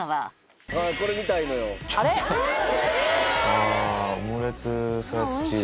あオムレツスライスチーズ。